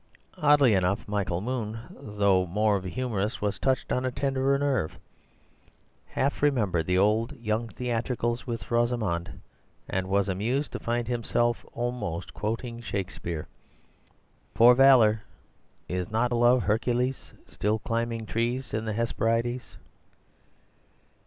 Oddly enough, Michael Moon, though more of a humourist, was touched on a tenderer nerve, half remembered the old, young theatricals with Rosamund, and was amused to find himself almost quoting Shakespeare— "For valour. Is not love a Hercules, Still climbing trees in the Hesperides?"